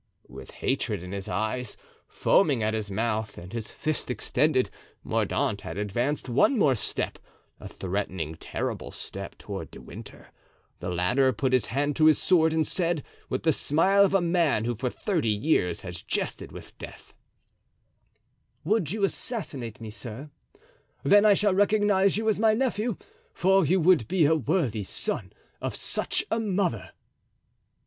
With hatred in his eyes, foaming at his mouth, and his fist extended, Mordaunt had advanced one more step, a threatening, terrible step, toward De Winter. The latter put his hand to his sword, and said, with the smile of a man who for thirty years has jested with death: "Would you assassinate me, sir? Then I shall recognize you as my nephew, for you would be a worthy son of such a mother."